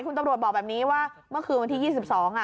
คุณตำรวจบอกแบบนี้ว่าเมื่อคืนวันที่๒๒อ่ะ